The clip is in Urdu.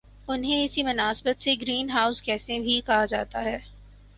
انہیں اسی مناسبت سے گرین ہاؤس گیسیں بھی کہا جاتا ہے